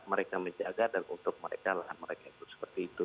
mereka menjaga dan untuk mereka lahan mereka itu seperti itu